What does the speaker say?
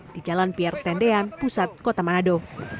di jalan pierre tendian pusat kota manado